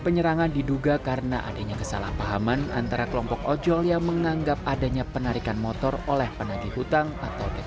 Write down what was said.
penyelidikan terkai ini